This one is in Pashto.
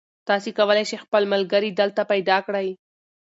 تاسي کولای شئ خپل ملګري دلته پیدا کړئ.